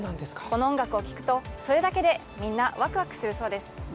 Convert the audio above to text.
この音楽を聞くと、それだけでみんな、わくわくするそうです。